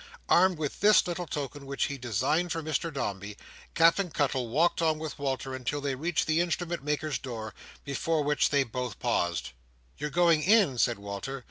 Armed with this little token which he designed for Mr Dombey, Captain Cuttle walked on with Walter until they reached the Instrument maker's door, before which they both paused. "You're going in?" said Walter.